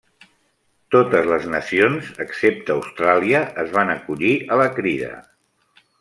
Totes les nacions, excepte Austràlia, es van acollir a la crida.